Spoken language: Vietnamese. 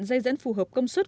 dây dẫn phù hợp công suất